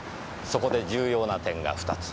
そこで重要な点が２つ。